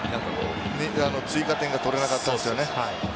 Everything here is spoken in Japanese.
追加点が取れなかったんですよね。